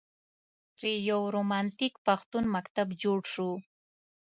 ترې یو رومانتیک پښتون مکتب جوړ شو.